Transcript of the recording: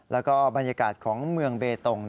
แล้วก็บรรยากาศของเมืองเบตง